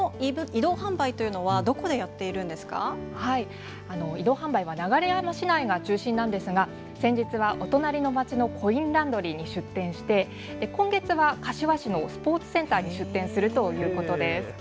移動販売は流山市内が中心ですが先日はお隣の町のコインランドリーに出店して今月は柏市のスポーツセンターに出店するということです。